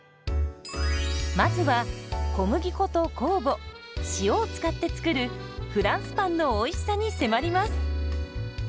まずは小麦粉と酵母塩を使って作るフランスパンのおいしさに迫ります。